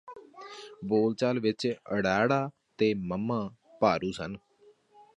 ਬੋਲਚਾਲ ਵਿਚ ੜਾੜਾ ਤੇ ਮੰਮਾ ਭਾਰੂ ਸਨ